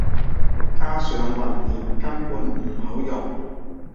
加上混電根本唔好用